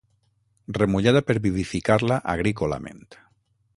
Remullada per vivificar-la agrícolament.